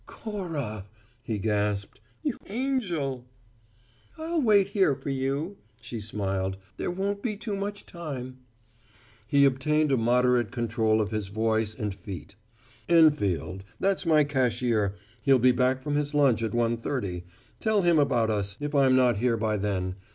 "Cora!" he gasped. "You angel!" "I'll wait here for you," she smiled. "There won't be too much time." He obtained a moderate control of his voice and feet. "Enfield that's my cashier he'll be back from his lunch at one thirty. Tell him about us, if I'm not here by then.